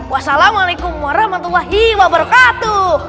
wassalamualaikum warahmatullahi wabarakatuh